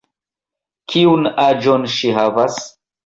Kiun aĝon ŝi havas?